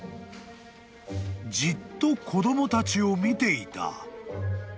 ［じっと子供たちを見ていた］